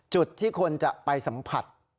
จุดที่คนจะไปสัมผัส